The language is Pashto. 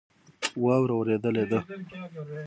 واوره اوریدلی ده